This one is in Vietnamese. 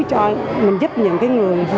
cho mình giúp những cái người